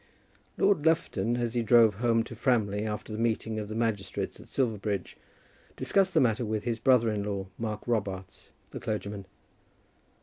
Lord Lufton, as he drove home to Framley after the meeting of the magistrates at Silverbridge, discussed the matter with his brother in law, Mark Robarts, the clergyman.